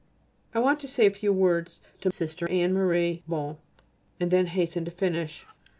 I want to say a few words to Sister Anne Marie (Bon) and then hasten to finish.